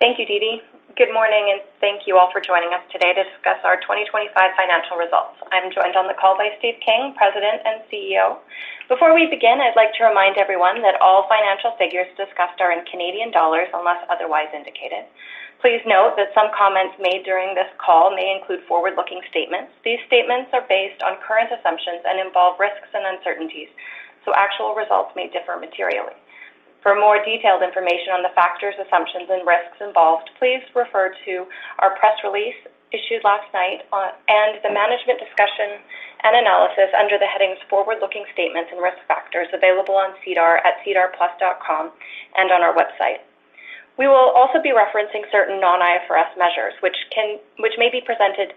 Thank you, Didi. Good morning, and thank you all for joining us today to discuss our 2025 financial results. I'm joined on the call by Stephen King, President and CEO. Before we begin, I'd like to remind everyone that all financial figures discussed are in Canadian dollars, unless otherwise indicated. Please note that some comments made during this call may include forward-looking statements. These statements are based on current assumptions and involve risks and uncertainties. Actual results may differ materially. For more detailed information on the factors, assumptions and risks involved, please refer to our press release issued last night and the Management's Discussion and Analysis under the headings Forward-looking Statements and Risk Factors available on SEDAR at sedarplus.com and on our website. We will also be referencing certain non-IFRS measures which may be presented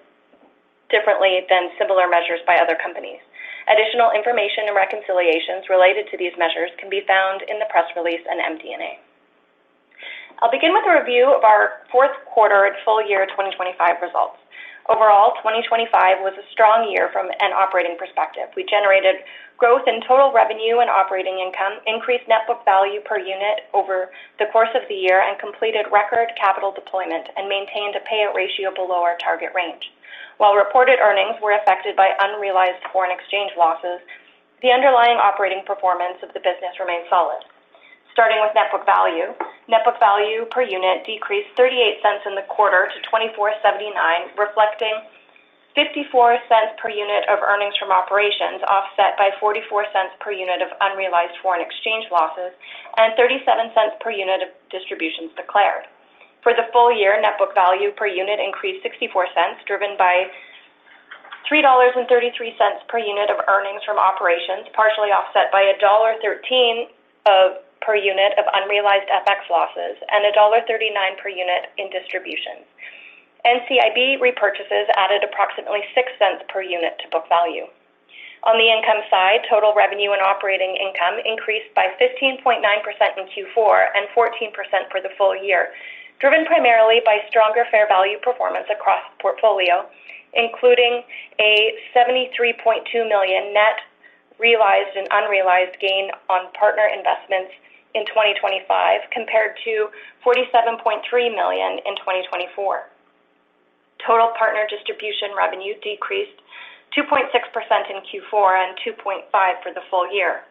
differently than similar measures by other companies. Additional information and reconciliations related to these measures can be found in the press release and MD&A. I'll begin with a review of our fourth quarter and full year 2025 results. Overall, 2025 was a strong year from an operating perspective. We generated growth in total revenue and operating income, increased net book value per unit over the course of the year and completed record capital deployment and maintained a payout ratio below our target range. While reported earnings were affected by unrealized foreign exchange losses, the underlying operating performance of the business remained solid. Starting with net book value. Net book value per unit decreased 0.38 in the quarter to 24.79, reflecting 0.54 per unit of earnings from operations, offset by 0.44 per unit of unrealized foreign exchange losses and 0.37 per unit of distributions declared. For the full year, net book value per unit increased 0.64, driven by 3.33 dollars per unit of earnings from operations, partially offset by dollar 1.13 per unit of unrealized FX losses and dollar 1.39 per unit in distributions. NCIB repurchases added approximately 0.06 per unit to book value. On the income side, total revenue and operating income increased by 15.9% in Q4 and 14% for the full year, driven primarily by stronger fair value performance across the portfolio, including a 73.2 million net realized and unrealized gain on partner investments in 2025 compared to 47.3 million in 2024. Total partner distribution revenue decreased 2.6% in Q4 and 2.5% for the full year.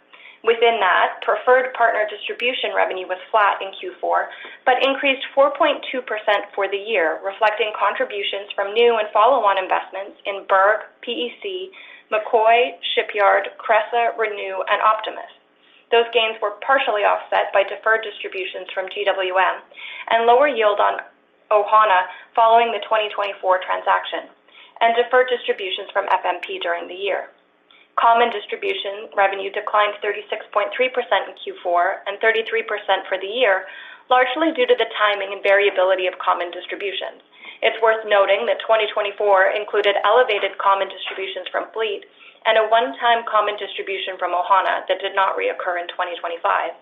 Within that, preferred partner distribution revenue was flat in Q4, but increased 4.2% for the year, reflecting contributions from new and follow-on investments in Berg, PEC, McCoy, Shipyard, Cresa, Renew and Optimus. Those gains were partially offset by deferred distributions from GWM and lower yield on Ohana following the 2024 transaction and deferred distributions from FMP during the year. Common distribution revenue declined 36.3% in Q4 and 33% for the year, largely due to the timing and variability of common distributions. It's worth noting that 2024 included elevated common distributions from Fleet and a one-time common distribution from Ohana that did not reoccur in 2025.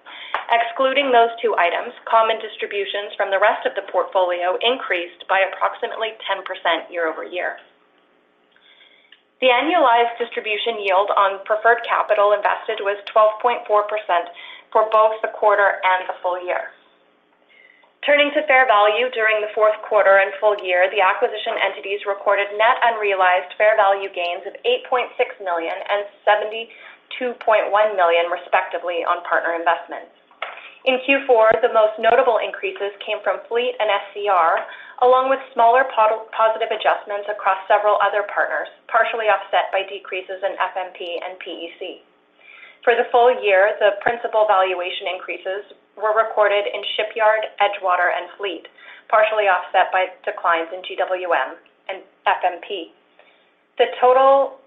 Excluding those two items, common distributions from the rest of the portfolio increased by approximately 10% year-over-year. The annualized distribution yield on preferred capital invested was 12.4% for both the quarter and the full year. Turning to fair value during the fourth quarter and full year, the acquisition entities recorded net unrealized fair value gains of 8.6 million and 72.1 million, respectively, on partner investments. In Q4, the most notable increases came from Fleet and SCR, along with smaller positive adjustments across several other partners, partially offset by decreases in FMP and PEC. For the full year, the principal valuation increases were recorded in Shipyard, Edgewater, and Fleet, partially offset by declines in GWM and FMP. The total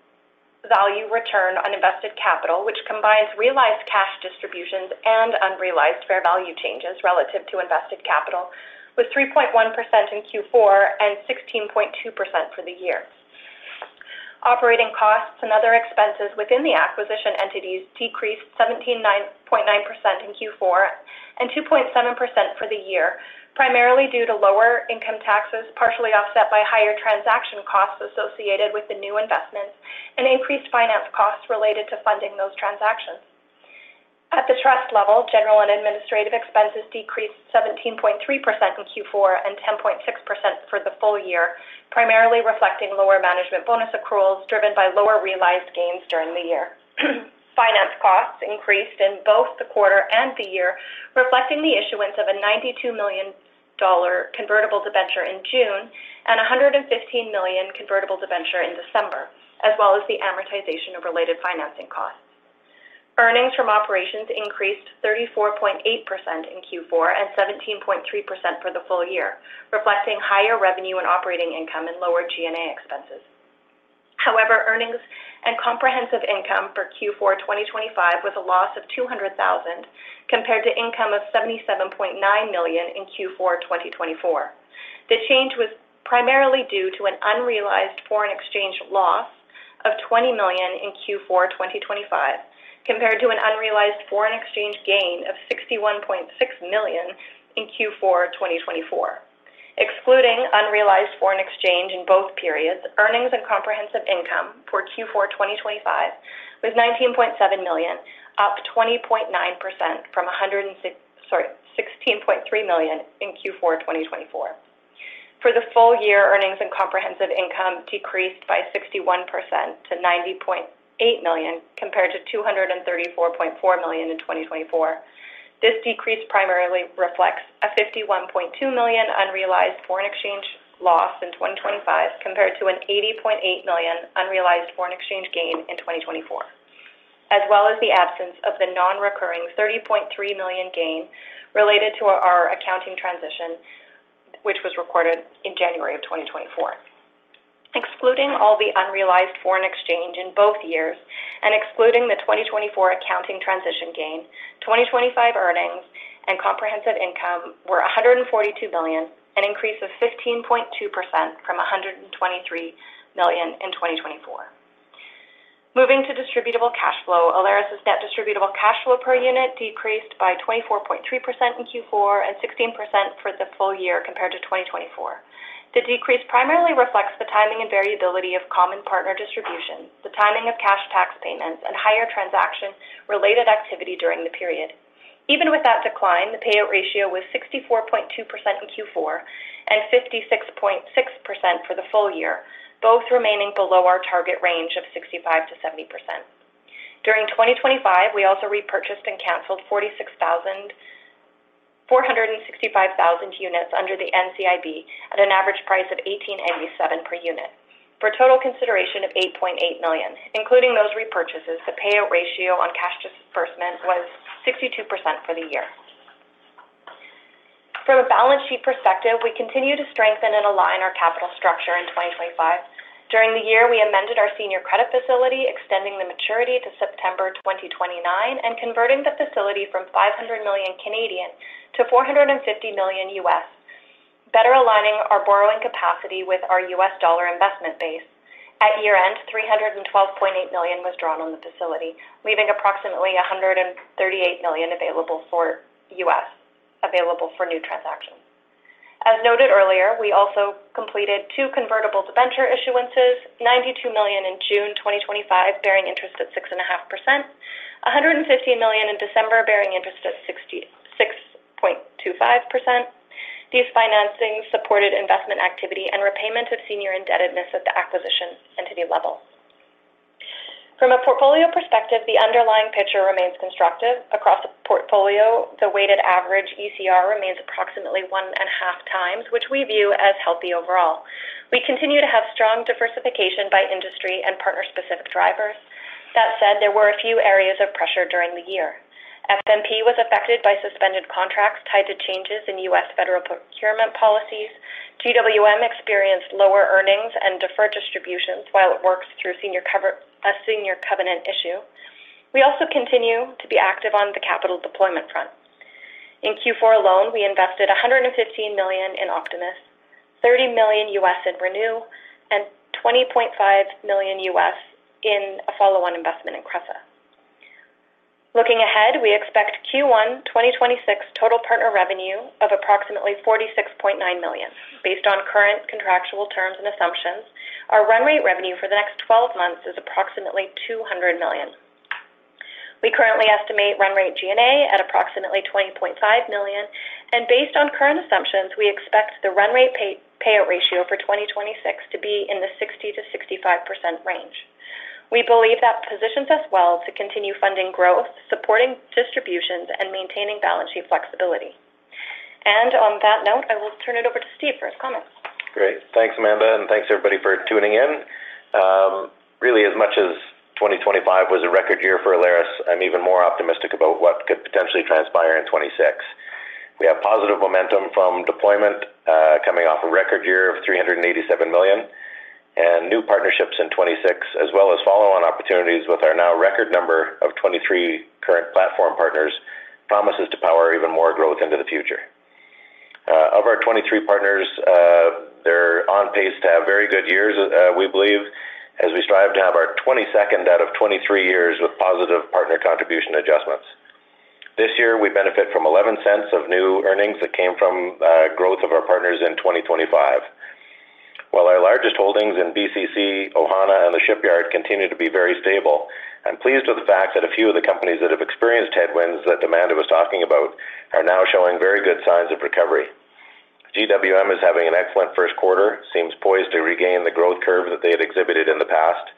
value return on invested capital, which combines realized cash distributions and unrealized fair value changes relative to invested capital, was 3.1% in Q4 and 16.2% for the year. Operating costs and other expenses within the acquisition entities decreased 17.9% in Q4 and 2.7% for the year, primarily due to lower income taxes, partially offset by higher transaction costs associated with the new investments and increased finance costs related to funding those transactions. At the Trust level, general and administrative expenses decreased 17.3% in Q4 and 10.6% for the full year, primarily reflecting lower management bonus accruals driven by lower realized gains during the year. Finance costs increased in both the quarter and the year, reflecting the issuance of a 92 million dollar convertible debenture in June and 115 million convertible debenture in December, as well as the amortization of related financing costs. Earnings from operations increased 34.8% in Q4 and 17.3% for the full year, reflecting higher revenue and operating income and lower G&A expenses. Earnings and comprehensive income for Q4 2025 was a loss of 200,000 compared to income of 77.9 million in Q4 2024. The change was primarily due to an unrealized foreign exchange loss of 20 million in Q4 2025 compared to an unrealized foreign exchange gain of 61.6 million in Q4 2024. Excluding unrealized foreign exchange in both periods, earnings and comprehensive income for Q4 2025 was 19.7 million, up 20.9% from 16.3 million in Q4 2024. For the full year, earnings and comprehensive income decreased by 61% to 90.8 million compared to 234.4 million in 2024. This decrease primarily reflects a 51.2 million unrealized foreign exchange loss in 2025 compared to a 80.8 million unrealized foreign exchange gain in 2024, as well as the absence of the non-recurring 30.3 million gain related to our accounting transition, which was recorded in January of 2024. Excluding all the unrealized foreign exchange in both years and excluding the 2024 accounting transition gain, 2025 earnings and comprehensive income were 142 million, an increase of 15.2% from 123 million in 2024. Moving to distributable cash flow, Alaris' net distributable cash flow per unit decreased by 24.3% in Q4 and 16% for the full year compared to 2024. The decrease primarily reflects the timing and variability of common partner distributions, the timing of cash tax payments, and higher transaction-related activity during the period. Even with that decline, the payout ratio was 64.2% in Q4 and 56.6% for the full year, both remaining below our target range of 65%-70%. During 2025, we also repurchased and canceled 465,000 units under the NCIB at an average price of 18.87 per unit for a total consideration of 8.8 million. Including those repurchases, the payout ratio on cash disbursement was 62% for the year. From a balance sheet perspective, we continue to strengthen and align our capital structure in 2025. During the year, we amended our senior credit facility, extending the maturity to September 2029 and converting the facility from 500 million to $450 million, better aligning our borrowing capacity with our U.S. dollar investment base. At year-end, $312.8 million was drawn on the facility, leaving approximately $138 million available for new transactions. As noted earlier, we also completed two convertible debenture issuances, 92 million in June 2025, bearing interest at 6.5%. 150 million in December, bearing interest at 6.25%. These financings supported investment activity and repayment of senior indebtedness at the acquisition entity level. From a portfolio perspective, the underlying picture remains constructive. Across the portfolio, the weighted average ECR remains approximately 1.5 times, which we view as healthy overall. We continue to have strong diversification by industry and partner-specific drivers. That said, there were a few areas of pressure during the year. FMP was affected by suspended contracts tied to changes in U.S. federal procurement policies. GWM experienced lower earnings and deferred distributions while it works through a senior covenant issue. We also continue to be active on the capital deployment front. In Q4 alone, we invested 115 million in Optimus SBR, $30 million in Renew Medical Group, and $20.5 million in a follow-on investment in Cresa LLC. Looking ahead, we expect Q1 2026 total partner revenue of approximately 46.9 million. Based on current contractual terms and assumptions, our run rate revenue for the next 12 months is approximately 200 million. We currently estimate run rate G&A at approximately 20.5 million, based on current assumptions, we expect the run rate payout ratio for 2026 to be in the 60%-65% range. We believe that positions us well to continue funding growth, supporting distributions, and maintaining balance sheet flexibility. On that note, I will turn it over to Stephen King for his comments. Great. Thanks, Amanda, and thanks everybody for tuning in. Really, as much as 2025 was a record year for Alaris, I'm even more optimistic about what could potentially transpire in 2026. We have positive momentum from deployment, coming off a record year of 387 million. New partnerships in 2026, as well as follow-on opportunities with our now record number of 23 current platform partners, promises to power even more growth into the future. Of our 23 partners, they're on pace to have very good years, we believe, as we strive to have our 22nd out of 23 years with positive partner contribution adjustments. This year, we benefit from 0.11 of new earnings that came from growth of our partners in 2025. While our largest holdings in BCC, Ohana, and The Shipyard continue to be very stable, I'm pleased with the fact that a few of the companies that have experienced headwinds that Amanda was talking about are now showing very good signs of recovery. GWM is having an excellent first quarter, seems poised to regain the growth curve that they had exhibited in the past.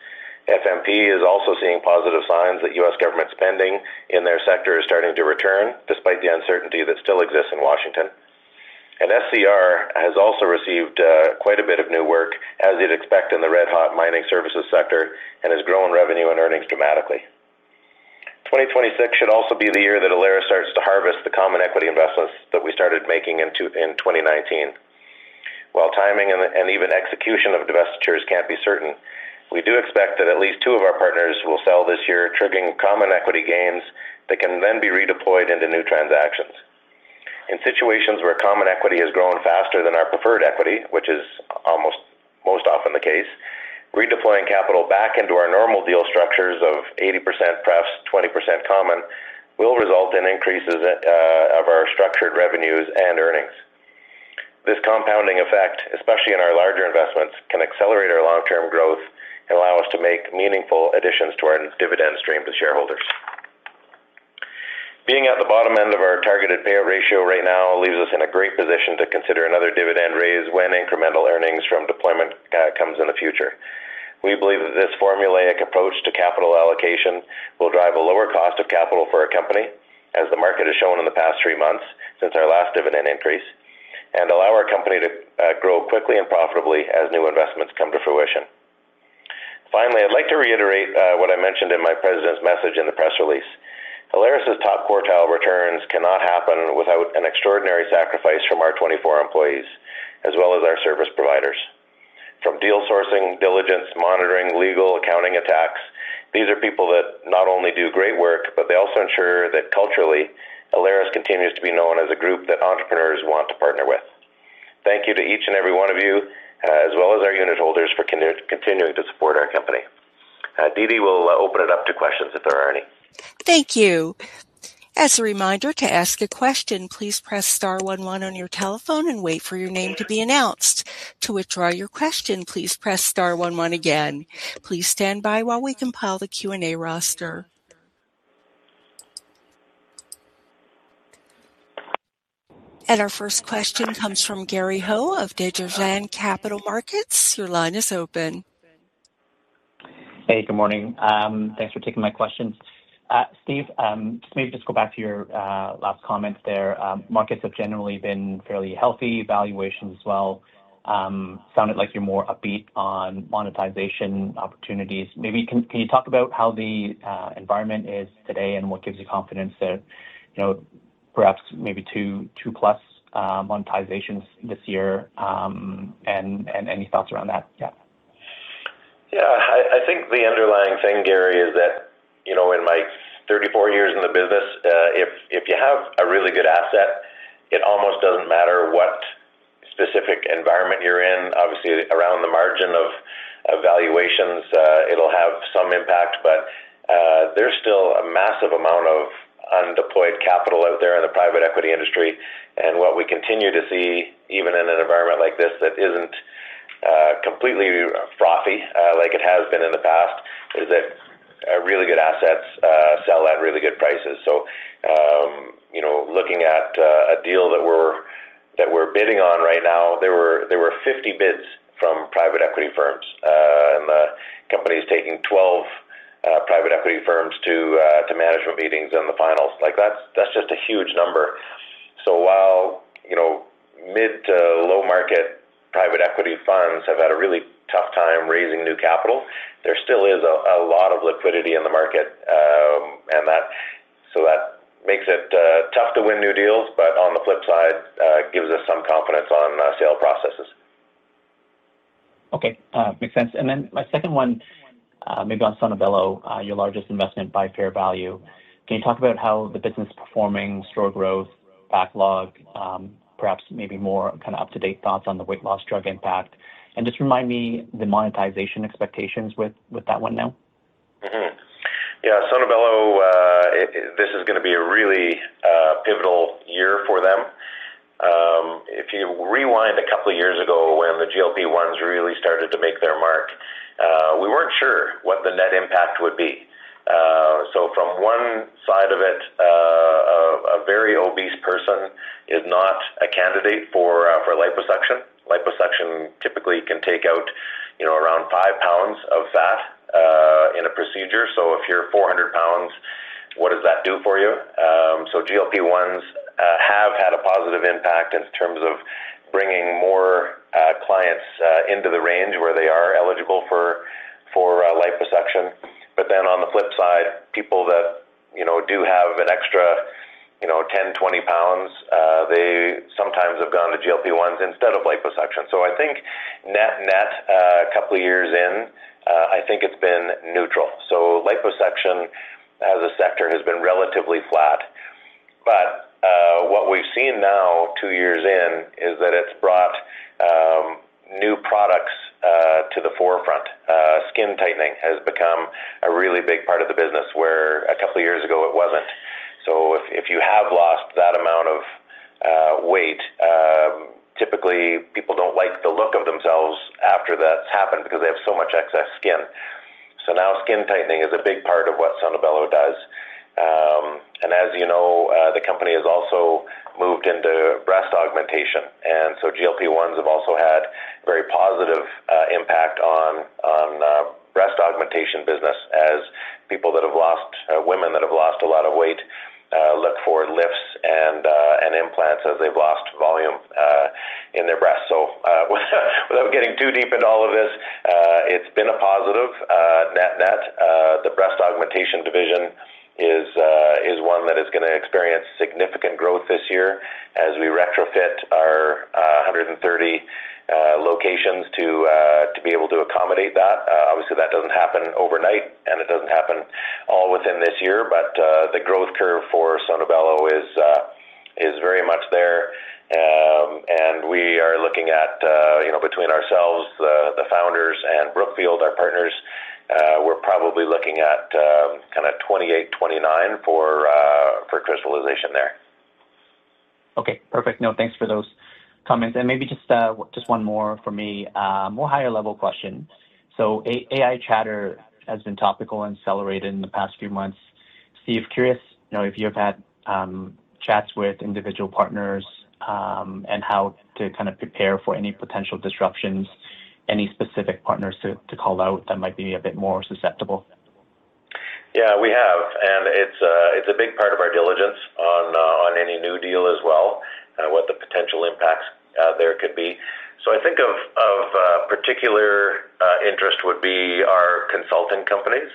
FMP is also seeing positive signs that U.S. government spending in their sector is starting to return despite the uncertainty that still exists in Washington. SCR has also received quite a bit of new work as you'd expect in the red-hot mining services sector and has grown revenue and earnings dramatically. 2026 should also be the year that Alaris starts to harvest the common equity investments that we started making in 2019. While timing and even execution of divestitures can't be certain, we do expect that at least two of our partners will sell this year, triggering common equity gains that can then be redeployed into new transactions. In situations where common equity has grown faster than our preferred equity, which is almost in the case, redeploying capital back into our normal deal structures of 80% pref, 20% common will result in increases of our structured revenues and earnings. This compounding effect, especially in our larger investments, can accelerate our long-term growth and allow us to make meaningful additions to our dividend stream to shareholders. Being at the bottom end of our targeted payout ratio right now leaves us in a great position to consider another dividend raise when incremental earnings from deployment comes in the future. We believe that this formulaic approach to capital allocation will drive a lower cost of capital for our company as the market has shown in the past three months since our last dividend increase and allow our company to grow quickly and profitably as new investments come to fruition. Finally, I'd like to reiterate what I mentioned in my President's message in the press release. Alaris' top quartile returns cannot happen without an extraordinary sacrifice from our 24 employees as well as our service providers. From deal sourcing, diligence, monitoring, legal, accounting, and tax, these are people that not only do great work, but they also ensure that culturally, Alaris continues to be known as a group that entrepreneurs want to partner with. Thank you to each and every one of you, as well as our unit holders for continuing to support our company. Didi will open it up to questions if there are any. Thank you. As a reminder, to ask a question, please press star one one on your telephone and wait for your name to be announced. To withdraw your question, please press star one one again. Please stand by while we compile the Q&A roster. Our first question comes from Gary Ho of Desjardins Capital Markets. Your line is open. Hey, good morning. Thanks for taking my questions. Steve, maybe just go back to your last comments there. Markets have generally been fairly healthy, valuations as well. Sounded like you're more upbeat on monetization opportunities. Maybe can you talk about how the environment is today and what gives you confidence that, you know, perhaps maybe 2+ monetizations this year, and any thoughts around that? Yeah. I think the underlying thing, Gary, is that, you know, in my 34 years in the business, if you have a really good asset, it almost doesn't matter what specific environment you're in. Obviously, around the margin of valuations, it'll have some impact. There's still a massive amount of undeployed capital out there in the private equity industry. What we continue to see, even in an environment like this that isn't completely frothy, like it has been in the past, is that really good assets sell at really good prices. You know, looking at a deal that we're bidding on right now, there were 50 bids from private equity firms. The company is taking 12 private equity firms to management meetings in the finals. Like that's just a huge number. While, you know, mid to low market private equity funds have had a really tough time raising new capital, there still is a lot of liquidity in the market. That makes it tough to win new deals. On the flip side, it gives us some confidence on sale processes. Okay. Makes sense. My second one, maybe on Sono Bello, your largest investment by fair value. Can you talk about how the business is performing, store growth, backlog, perhaps maybe more kind of up-to-date thoughts on the weight loss drug impact? Remind me the monetization expectations with that one now. Yeah, Sono Bello, this is gonna be a really pivotal year for them. If you rewind a couple of years ago when the GLP-1s really started to make their mark, we weren't sure what the net impact would be. From one side of it, a very obese person is not a candidate for liposuction. Liposuction typically can take out, you know, around 5 pounds of fat in a procedure. If you're 400 pounds, what does that do for you? GLP-1s have had a positive impact in terms of bringing more clients into the range where they are eligible for liposuction. On the flip side, people that do have an extra 10 pounds, 20 pounds, they sometimes have gone to GLP-1s instead of liposuction. I think net-net, a years in, I think it's been neutral. Liposuction as a sector has been relatively flat. What we've seen now two years in is that it's brought new products to the forefront. Skin tightening has become a really big part of the business, where two years ago it wasn't. If, if you have lost that amount of weight, typically people don't like the look of themselves after that's happened because they have so much excess skin. Now skin tightening is a big part of what Sono Bello does. As you know, the company has also moved into breast augmentation. GLP-1s have also had very positive impact on the breast augmentation business as women that have lost a lot of weight look for lifts and implants as they've lost volume in their breasts. Without getting too deep into all of this, it's been a positive net-net. The breast augmentation division is gonna experience significant growth this year as we retrofit our 130 locations to be able to accommodate that. Obviously, that doesn't happen overnight, and it doesn't happen all within this year. The growth curve for Sono Bello is very much there. We are looking at, you know, between ourselves, the founders and Brookfield, our partners, we're probably looking at, kinda 2028, 2029 for crystallization there. Okay. Perfect. No, thanks for those comments. Maybe just one more for me. More higher level question. AI chatter has been topical and celebrated in the past few months. Steve, curious if you have had chats with individual partners and how to kind of prepare for any potential disruptions, any specific partners to call out that might be a bit more susceptible? Yeah, we have, and it's a big part of our diligence on any new deal as well, what the potential impacts there could be. I think of particular interest would be our consulting companies.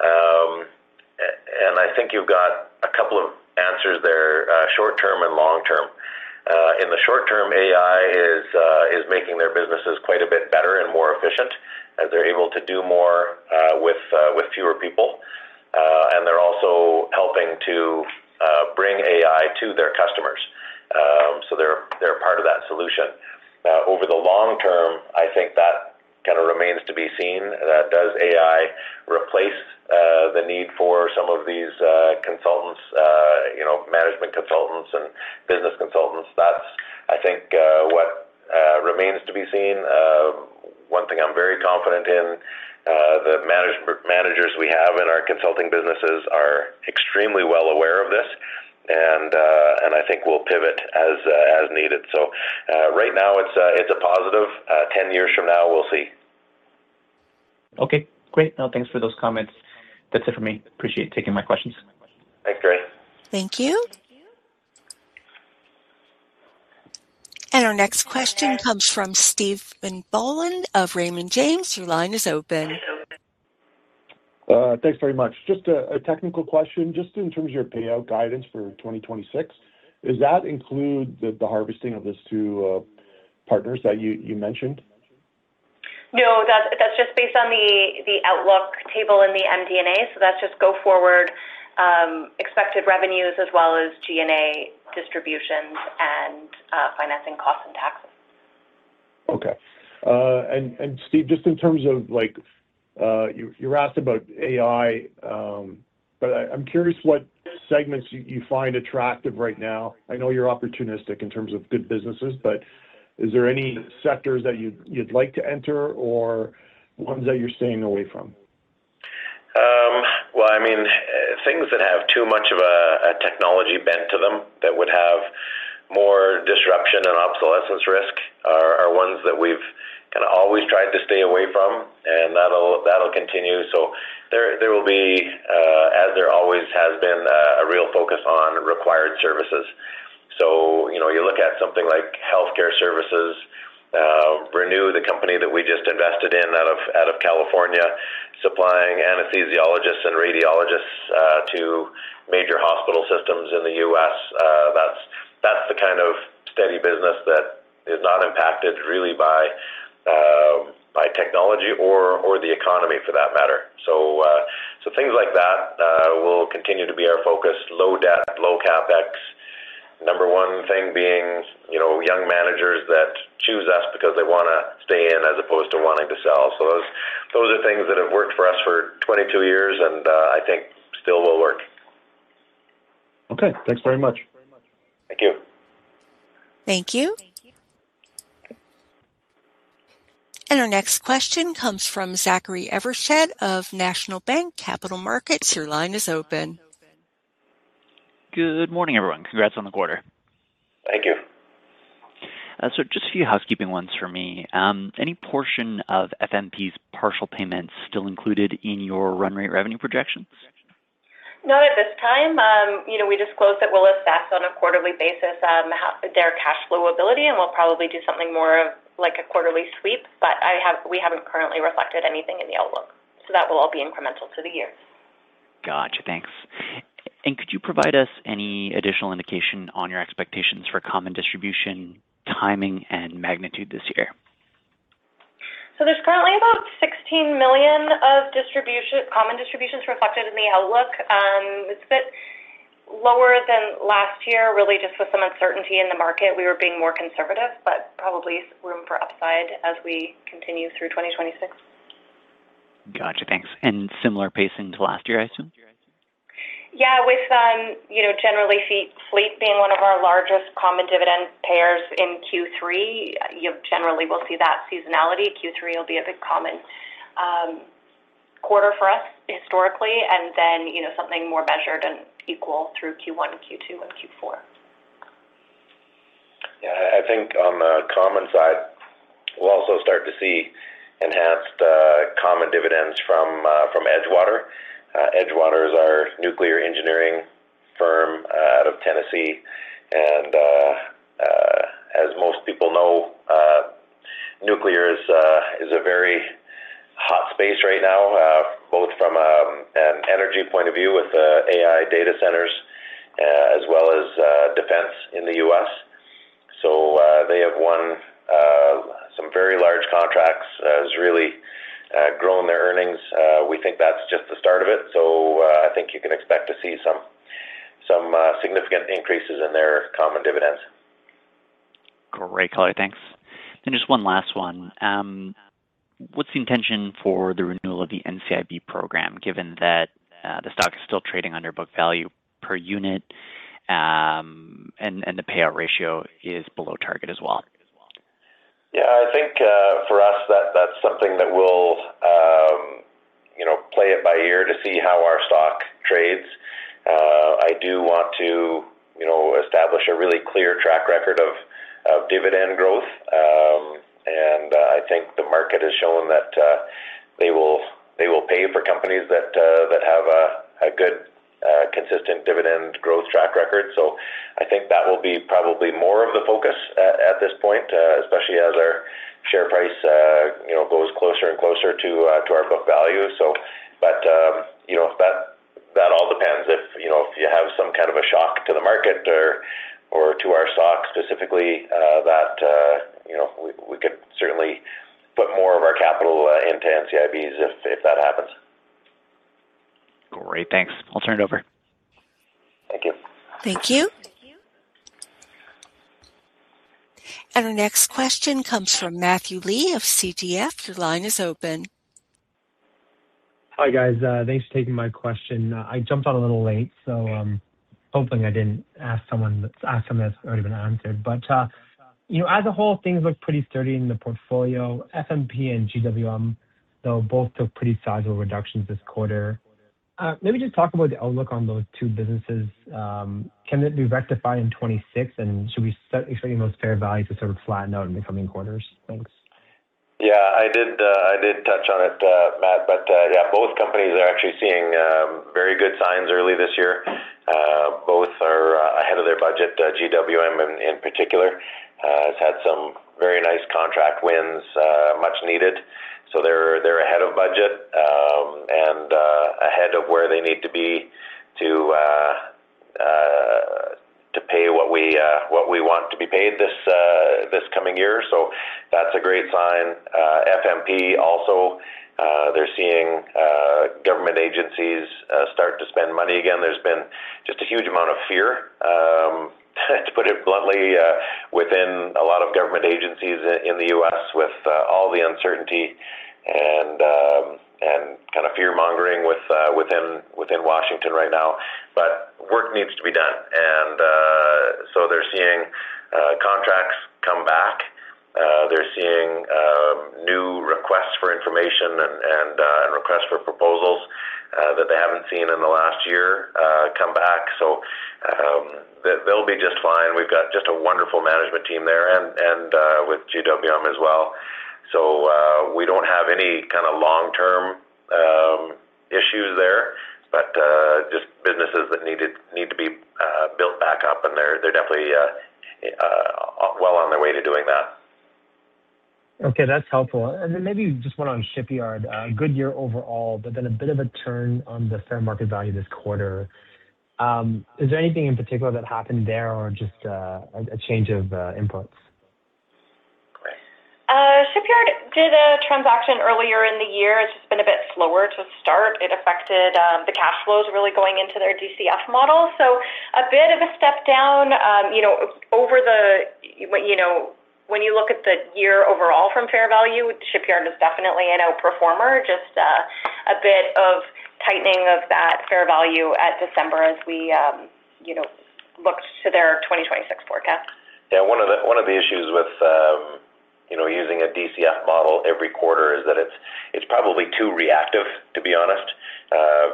I think you've got a couple of answers there, short term and long term. In the short term, AI is making their businesses quite a bit better and more efficient as they're able to do more with fewer people. They're also helping to bring AI to their customers. They're a part of that solution. Over the long term, I think that kinda remains to be seen, that does AI replace the need for some of these consultants, you know, management consultants and business consultants? That's, I think, what remains to be seen. One thing I'm very confident in, the managers we have in our consulting businesses are extremely well aware of this and I think we'll pivot as needed. Right now it's a positive. 10 years from now, we'll see. Okay, great. No, thanks for those comments. That's it for me. Appreciate you taking my questions. Thanks, Gary. Thank you. Our next question comes from Stephen Boland of Raymond James. Your line is open. Thanks very much. Just a technical question. Just in terms of your payout guidance for 2026, does that include the harvesting of those two partners that you mentioned? No. That's just based on the outlook table in the MD&A. That's just go forward expected revenues as well as G&A distributions and financing costs and taxes. Okay. Steve, just in terms of like, you were asked about AI, but I'm curious what segments you find attractive right now. I know you're opportunistic in terms of good businesses, but is there any sectors that you'd like to enter or ones that you're staying away from? Well, I mean, things that have too much of a technology bent to them that would have more disruption and obsolescence risk are ones that we've kinda always tried to stay away from, and that'll continue. There will be, as there always has been, a real focus on required services. You know, you look at something like healthcare services, Renew, the company that we just invested in out of California, supplying anesthesiologists and radiologists to major hospital systems in the U.S. That's the kind of steady business that is not impacted really by technology or the economy for that matter. Things like that will continue to be our focus. Low debt, low CapEx. Number one thing being, you know, young managers that choose us because they wanna stay in as opposed to wanting to sell. Those are things that have worked for us for 22 years and I think still will work. Okay. Thanks very much. Thank you. Thank you. Our next question comes from Zachary Evershed of National Bank Capital Markets. Your line is open. Good morning, everyone. Congrats on the quarter. Thank you. Just a few housekeeping ones for me. Any portion of FMP's partial payments still included in your run rate revenue projections? Not at this time. You know, we disclosed that we'll assess on a quarterly basis their cash flow ability, and we'll probably do something more of like a quarterly sweep, but we haven't currently reflected anything in the outlook. That will all be incremental to the year. Gotcha. Thanks. Could you provide us any additional indication on your expectations for common distribution timing and magnitude this year? There's currently about 16 million of common distributions reflected in the outlook. It's a bit lower than last year, really just with some uncertainty in the market. We were being more conservative, probably room for upside as we continue through 2026. Gotcha. Thanks. Similar pacing to last year, I assume? Yeah. With, you know, generally Fleet being one of our largest common dividend payers in Q3, you generally will see that seasonality. Q3 will be a big common quarter for us historically, and then, you know, something more measured and equal through Q1 and Q2 and Q4. Yeah. I think on the common side, we'll also start to see enhanced common dividends from Edgewater. Edgewater is our nuclear engineering firm out of Tennessee, and as most people know, nuclear is a very hot space right now, both from an energy point of view with AI data centers, as well as defense in the U.S. They have won some very large contracts. They have really grown their earnings. We think that's just the start of it, so I think you can expect to see some significant increases in their common dividends. Great color. Thanks. Just one last one. What's the intention for the renewal of the NCIB program given that the stock is still trading under book value per unit and the payout ratio is below target as well? Yeah. I think for us that's something that we'll, you know, play it by ear to see how our stock trades. I do want to, you know, establish a really clear track record of dividend growth. I think the market has shown that they will pay for companies that have a good, consistent dividend growth track record. I think that will be probably more of the focus at this point, especially as our share price, you know, goes closer and closer to our book value. You know, that all depends if, you know, if you have some kind of a shock to the market or to our stock specifically, that, you know, we could certainly put more of our capital into NCIBs if that happens. Great. Thanks. I'll turn it over. Thank you. Thank you. Our next question comes from Matthew Lee of Canaccord Genuity. Your line is open. Hi, guys. Thanks for taking my question. I jumped on a little late, so hoping I didn't ask something that's already been answered. You know, as a whole, things look pretty sturdy in the portfolio. FMP and GWM, though, both took pretty sizable reductions this quarter. Maybe just talk about the outlook on those two businesses. Can it be rectified in 2026, and should we expecting those fair values to sort of flatten out in the coming quarters? Thanks. I did, I did touch on it, Matt, but both companies are actually seeing very good signs early this year. Both are ahead of their budget. GWM in particular has had some very nice contract wins, much needed. They're ahead of budget and ahead of where they need to be to pay what we want to be paid this coming year. That's a great sign. FMP also, they're seeing government agencies start to spend money again. There's been just a huge amount of fear, to put it bluntly, within a lot of government agencies in the U.S. with all the uncertainty and kinda fear-mongering within Washington right now. Work needs to be done and they're seeing contracts come back. They're seeing new requests for information and requests for proposals that they haven't seen in the last year come back. They, they'll be just fine. We've got just a wonderful management team there and with GWM as well. We don't have any kind of long-term issues there, just businesses that needed to be built back up, and they're definitely well on their way to doing that. Okay. That's helpful. Maybe just one on Shipyard. Good year overall, a bit of a turn on the fair market value this quarter. Is there anything in particular that happened there or just a change of inputs? Great. Shipyard did a transaction earlier in the year. It's just been a bit slower to start. It affected the cash flows really going into their DCF model. A bit of a step down, you know, when you look at the year overall from fair value, Shipyard is definitely an outperformer. Just a bit of tightening of that fair value at December as we, you know, looked to their 2026 forecast. Yeah. One of the issues with, you know, using a DCF model every quarter is that it's probably too reactive, to be honest.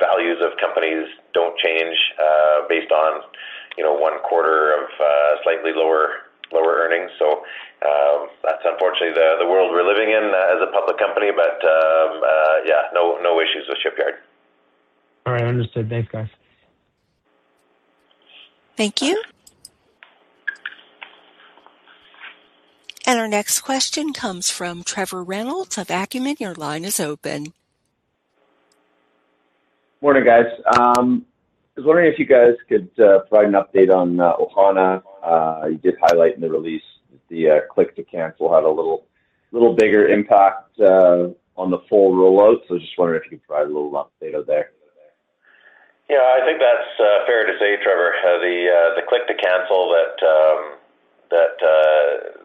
Values of companies don't change, based on, you know, one quarter of slightly lower earnings. That's unfortunately the world we're living in, as a public company. Yeah, no issues with Shipyard. All right. Understood. Thanks, guys. Thank you. Our next question comes from Trevor Reynolds of Acumen. Your line is open. Morning, guys. I was wondering if you guys could provide an update on Ohana. You did highlight in the release the click to cancel had a little bigger impact on the full rollout. Just wondering if you could provide a little update there. Yeah. I think that's fair to say, Trevor. The click to cancel that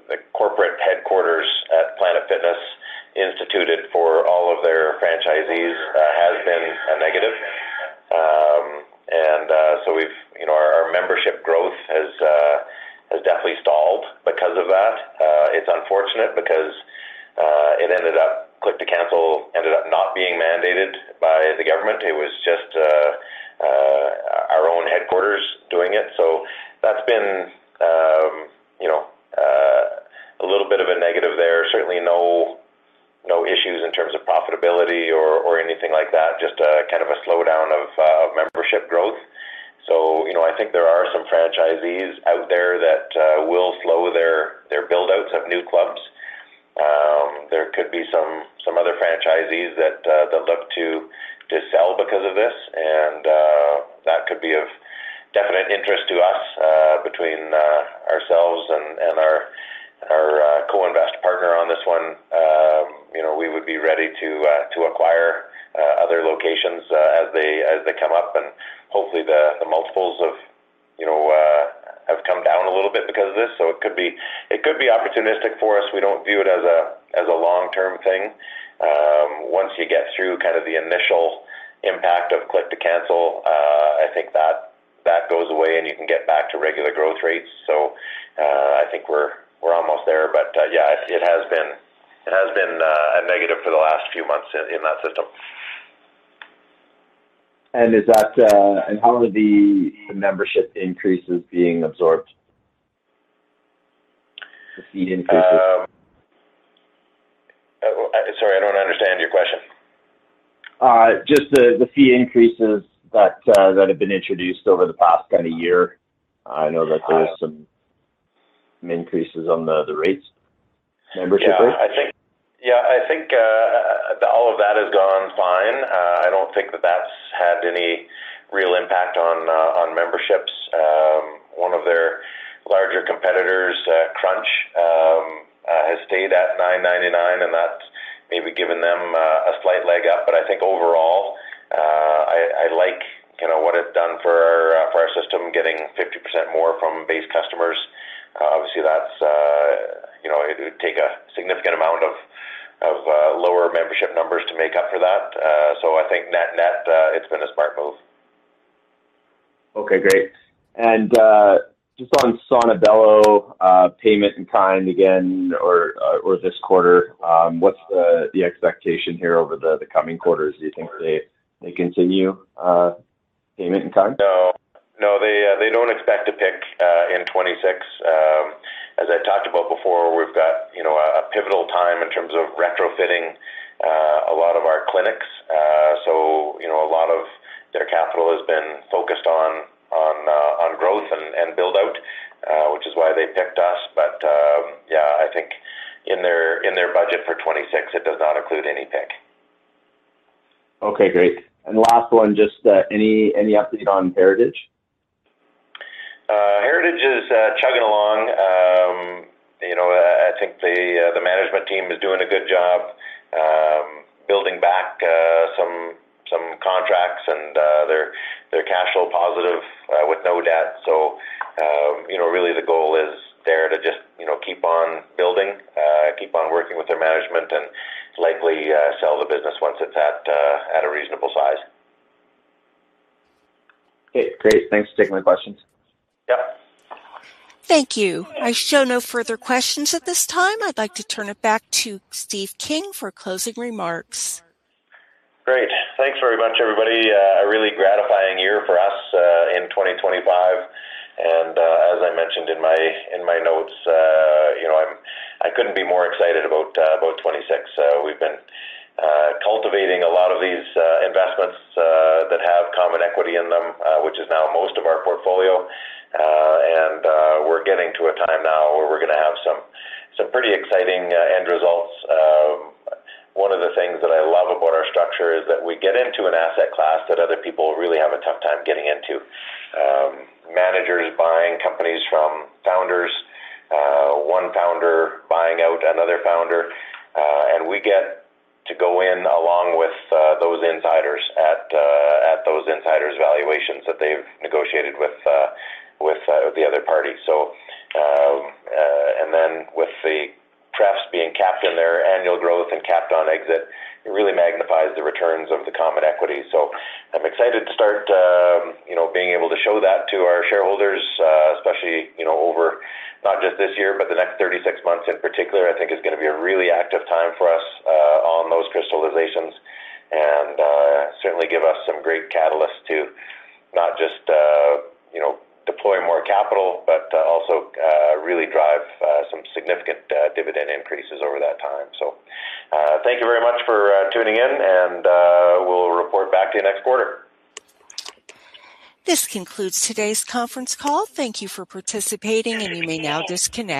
the corporate headquarters at Planet Fitness instituted for all of their franchisees has been a negative. You know, our membership growth has definitely stalled because of that. It's unfortunate because it ended up Click to cancel ended up not being mandated by the government. It was just our own headquarters doing it. That's been, you know, a little bit of a negative there. Certainly no issues in terms of profitability or anything like that. Just a kind of a slowdown of membership growth. You know, I think there are some franchisees out there that will slow their build-outs of new clubs. There could be some other franchisees that look to sell because of this, and that could be of definite interest to us. Between ourselves and our co-invest partner on this one, you know, we would be ready to acquire other locations as they come up. Hopefully the multiples of, you know, have come down a little bit because of this, so it could be opportunistic for us. We don't view it as a long-term thing. Once you get through kind of the initial impact of click to cancel, I think that goes away and you can get back to regular growth rates. I think we're almost there. Yeah, it has been a negative for the last few months in that system. How are the membership increases being absorbed? The fee increases. Sorry, I don't understand your question. Just the fee increases that have been introduced over the past kind of year. I know that there's some increases on the rates, membership rates. I think all of that has gone fine. I don't think that that's had any real impact on memberships. One of their larger competitors, Crunch, has stayed at $9.99, and that's maybe given them a slight leg up. I think overall, I like, you know, what it's done for our system, getting 50% more from base customers. Obviously, that's, you know, it would take a significant amount of lower membership numbers to make up for that. I think net-net, it's been a smart move. Okay, great. Just on Sono Bello, payment in kind again or this quarter, what's the expectation here over the coming quarters? Do you think they continue payment in kind? No. No, they don't expect to PIK in 2026. As I talked about before, we've got, you know, a pivotal time in terms of retrofitting a lot of our clinics. You know, a lot of their capital has been focused on growth and build-out, which is why they PIK'd us. Yeah, I think in their budget for 2026, it does not include any PIK. Okay, great. Last one, just, any update on Heritage? Heritage Restoration is chugging along. You know, I think the management team is doing a good job building back some contracts and they're cash flow positive with no debt. You know, really the goal is there to just, you know, keep on building, keep on working with their management and likely sell the business once it's at a reasonable size. Okay, great. Thanks for taking my questions. Yeah. Thank you. I show no further questions at this time. I'd like to turn it back to Stephen King for closing remarks. Great. Thanks very much, everybody. A really gratifying year for us in 2025. As I mentioned in my notes, you know, I couldn't be more excited about 2026. We've been cultivating a lot of these investments that have common equity in them, which is now most of our portfolio. We're getting to a time now where we're gonna have some pretty exciting end results. One of the things that I love about our structure is that we get into an asset class that other people really have a tough time getting into. Managers buying companies from founders, one founder buying out another founder, and we get to go in along with those insiders at those insiders valuations that they've negotiated with the other party. And then with the prefs being capped in their annual growth and capped on exit, it really magnifies the returns of the common equity. I'm excited to start, you know, being able to show that to our shareholders, especially, you know, over not just this year, but the next 36 months in particular, I think is gonna be a really active time for us on those crystallizations. Certainly give us some great catalysts to not just, you know, deploy more capital, but also really drive some significant dividend increases over that time. Thank you very much for tuning in, and we'll report back to you next quarter. This concludes today's conference call. Thank you for participating. You may now disconnect.